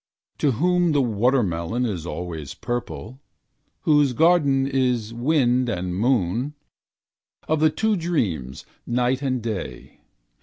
To whom the watermelon is always purple. Whose garden is wind and moon. Of the two dreams, night and day.